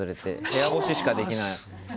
部屋干ししかできない。